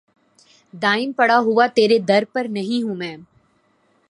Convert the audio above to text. دائم پڑا ہوا تیرے در پر نہیں ہوں میں